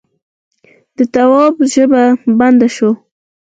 د تواب ژبه بنده شوه: